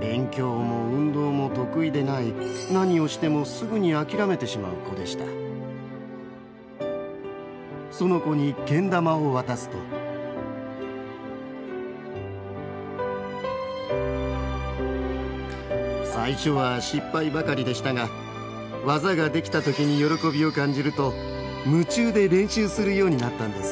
勉強も運動も得意でない何をしてもすぐにあきらめてしまう子でしたその子にけん玉を渡すと最初は失敗ばかりでしたが技ができたときに喜びを感じると夢中で練習するようになったんです